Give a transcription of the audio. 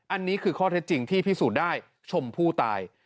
อันนี้คือข้อเท็จจริงที่พิสูจน์ได้ชมผู้ตาย